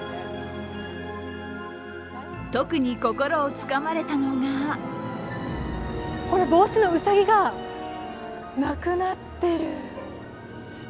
特に心をつかまれたのがこれ、帽子のうさぎがなくなってる！